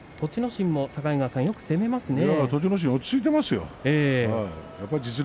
心も、境川さんよく攻めますね。